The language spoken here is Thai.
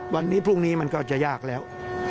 วันนี้พรุ่งนี้มันก็จะยากแล้ว